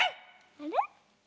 あれ？